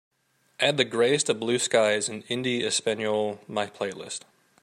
add The Greyest of Blue Skies in Indie Español my playlist